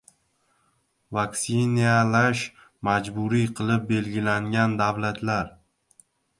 Vaksinasiyalash majburiy qilib belgilangan davlatlar